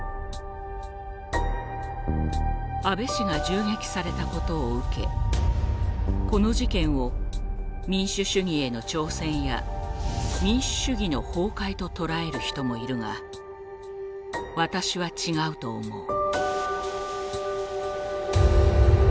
「安倍氏が銃撃されたことを受けこの事件を『民主主義への挑戦』や『民主主義の崩壊』ととらえる人もいるが私は違うと思う」。